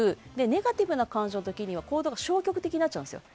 ネガティブな感情な時は行動が消極的になっちゃうんです。